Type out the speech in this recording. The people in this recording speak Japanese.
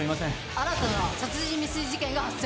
新たな殺人未遂事件が発生。